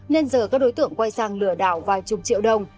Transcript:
nên giờ các đối tượng quay sang lừa đảo vài chục triệu đồng